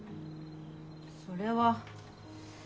それは。